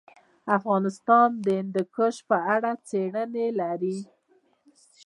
افغانستان د هندوکش په اړه څېړنې لري.